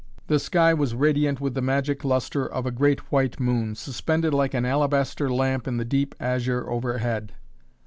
The sky was radiant with the magic lustre of a great white moon, suspended like an alabaster lamp in the deep azure overhead.